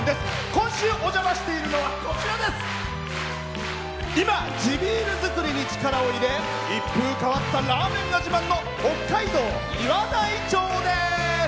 今週お邪魔しているのは今、地ビール造りに力を入れ、一風変わったラーメンが自慢の北海道岩内町です。